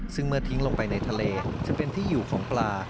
ซึ่งเมื่อทิ้งลงไปในทะเลจะเป็นที่อยู่ของปลา